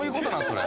それ。